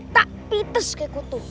tak fites kayak kutu